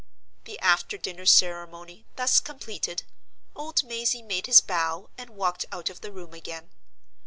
The after dinner ceremony thus completed, old Mazey made his bow, and walked out of the room again.